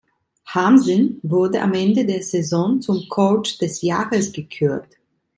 Harmsen wurde am Ende der Saison zum Coach des Jahres gekürt.